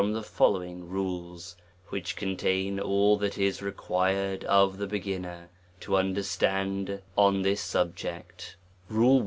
25 tjie following rules, which contain all that is required of the beginner to understand on this sub ject, RULE I.